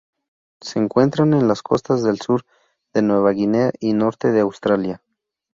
Se encuentran en las costas del sur de Nueva Guinea y norte de Australia.